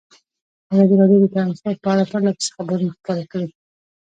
ازادي راډیو د ترانسپورټ په اړه پرله پسې خبرونه خپاره کړي.